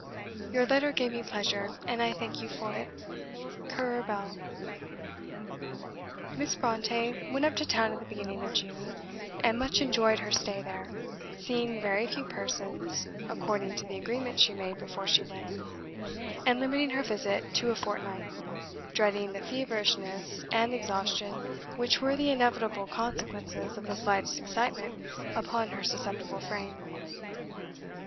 Your letter gave me pleasure, and I thank you for it. "CURRER BELL." Miss Brontë went up to town at the beginning of June, and much enjoyed her stay there; seeing very few persons, according to the agreement she made before she went; and limiting her visit to a fortnight, dreading the feverishness and exhaustion which were the inevitable consequences of the slightest excitement upon her susceptible frame.